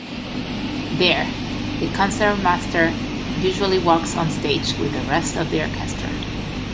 There, the concertmaster usually walks onstage with the rest of the orchestra.